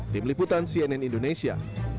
tim liputan cnn indonesia